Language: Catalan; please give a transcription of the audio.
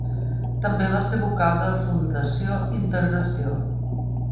També va ser vocal de la Fundació Integració.